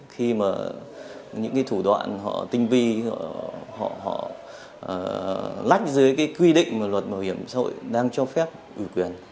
khi mà những cái thủ đoạn họ tinh vi họ lách dưới cái quy định mà luật bảo hiểm xã hội đang cho phép ủy quyền